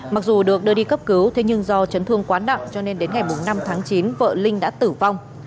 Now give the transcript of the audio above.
mặc dù được đưa đi cấp cứu thế nhưng do chấn thương quá nặng cho nên đến ngày năm tháng chín vợ linh đã tử vong